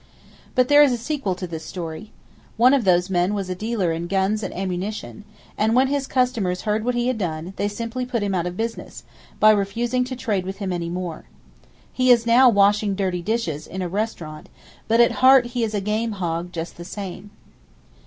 But there is a sequel to this story. One of those men was a dealer in guns and ammunition; and when his customers heard what he had done, "they simply put him out of business, by refusing to trade with him any more." He is now washing dirty dishes in a restaurant; but at heart he is a game hog, just the same.